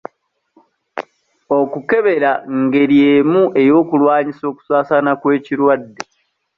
Okukebera ngeri emu ey'okulwanyisa okusaasaana kw'ekirwadde.